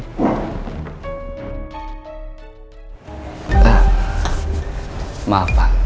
pak maaf pak